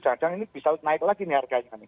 jangan jangan ini bisa naik lagi nih harganya